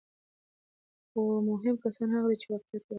خو مهم کسان هغه دي چې واقعیت وښيي.